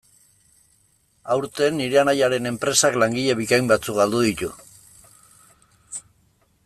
Aurten, nire anaiaren enpresak langile bikain batzuk galdu ditu.